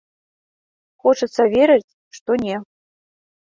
Хочацца верыць, што не.